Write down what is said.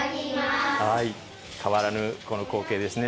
変わらぬこの光景ですね。